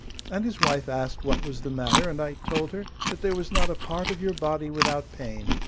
And his wife asked what was the matter, and I told her that there was not a part of your body without pain.